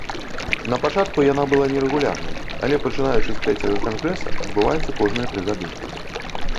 Напачатку яна была нерэгулярнай, але, пачынаючы з трэцяга кангрэса, адбываецца кожныя тры гады.